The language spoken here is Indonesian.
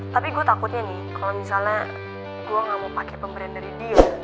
tapi gue takutnya nih kalau misalnya gue gak mau pakai pemberian dari dia